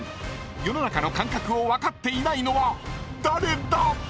［世の中の感覚を分かっていないのは誰だ⁉］